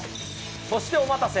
そしてお待たせ。